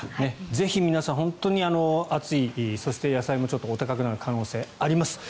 ぜひ皆さん、本当に暑いそして野菜もちょっとお高くなる可能性があります。